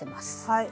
はい。